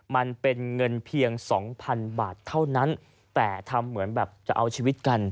มันเป็นเงินเพียงสองพันบาทเท่านั้นแต่ทำเหมือนแบบจะเอาชีวิตกัน